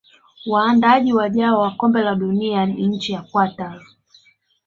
waandaaji wajao wa kombe la dunia ni nchi ya Qatar